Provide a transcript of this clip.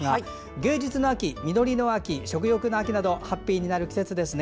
芸術の秋、実りの秋食欲の秋などハッピーになる季節ですね。